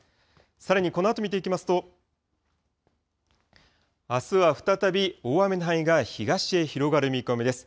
さらにこのあと見ていきますと、あすは再び大雨の範囲が東へ広がる見込みです。